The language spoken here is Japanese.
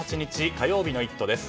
火曜日の「イット！」です。